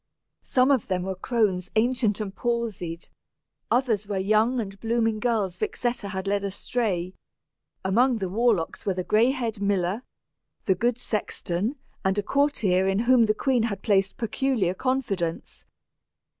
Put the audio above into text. Some of them were crones ancient and palsied, others were young and blooming girls Vixetta had led astray; among the warlocks were the gray haired miller, the good sexton, and a courtier in whom the queen had placed peculiar confidence.